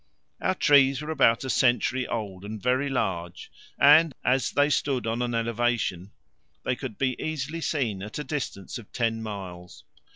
Our trees were about a century old and very large, and, as they stood on an elevation, they could be easily seen at a distance of ten miles.